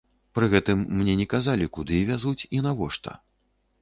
Пры гэтым мне не казалі, куды вязуць і навошта.